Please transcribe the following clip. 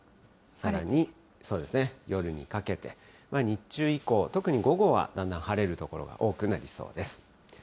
さらに夜にかけて、日中以降、特に午後はだんだん晴れる所が多くなりそうです。